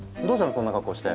そんな格好して。